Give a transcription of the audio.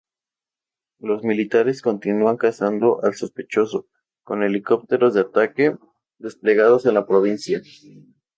Los militares continúan cazando al sospechoso con helicópteros de ataque desplegados en la provincia.